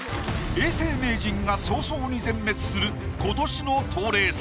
永世名人が早々に全滅する今年の冬麗戦。